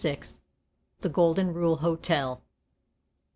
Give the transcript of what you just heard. "The Golden Rule Hotel."